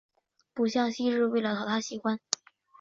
不像昔日为了讨他喜欢